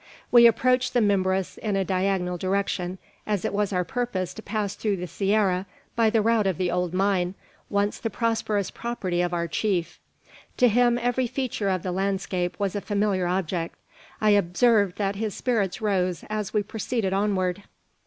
We approached the Mimbres in a diagonal direction, as it was our purpose to pass through the sierra by the route of the old mine, once the prosperous property of our chief. To him every feature of the landscape was a familiar object. I observed that his spirits rose as we proceeded onward.